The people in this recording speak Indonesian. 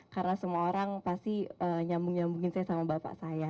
karena semua orang pasti nyambung nyambungin saya sama bapak